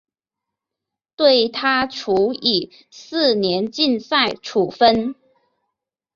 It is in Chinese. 对她处以四年禁赛处分。